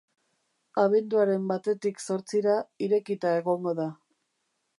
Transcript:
Abenduaren batetik zortzira irekita egongo da.